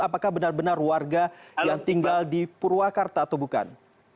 adalah warga yang tinggal di purwakarta atau bukan